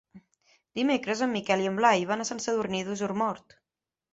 Dimecres en Miquel i en Blai van a Sant Sadurní d'Osormort.